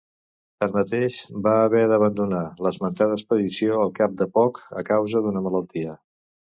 Tanmateix, va haver d'abandonar l'esmentada expedició al cap de poc a causa d'una malaltia.